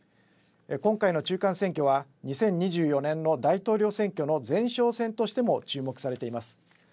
今回の中間選挙は２０２４年の大統領選挙の前哨戦としても注目されています。